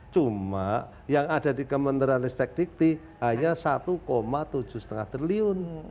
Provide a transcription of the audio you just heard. cuma yang ada di kementerian riset teknik tih hanya satu tujuh triliun